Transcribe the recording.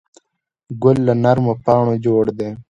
ګل له نرمو پاڼو جوړ دی.